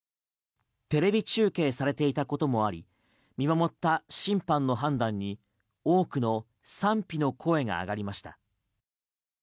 テレビ中継されていたこともあり見守った審判の判断に、多くの賛否の声が上がりました。